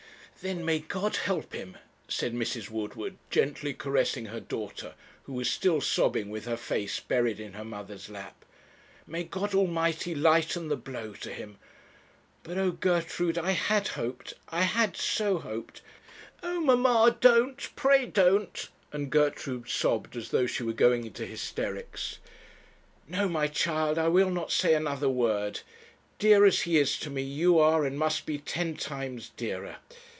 'Then may God help him!' said Mrs. Woodward, gently caressing her daughter, who was still sobbing with her face buried in her mother's lap. 'May God Almighty lighten the blow to him! But oh, Gertrude, I had hoped, I had so hoped ' 'Oh, mamma, don't, pray don't,' and Gertrude sobbed as though she were going into hysterics. 'No, my child, I will not say another word. Dear as he is to me, you are and must be ten times dearer.